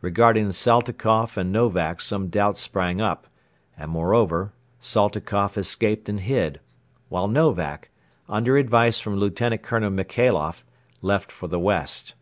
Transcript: Regarding Saltikoff and Novak some doubt sprang up and, moreover, Saltikoff escaped and hid, while Novak, under advice from Lieutenant Colonel Michailoff, left for the west.